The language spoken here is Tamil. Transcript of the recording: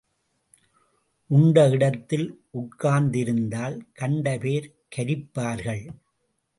உண்ட இடத்தில் உட்கார்ந்திருந்தால் கண்ட பேர் கரிப்பார்கள்.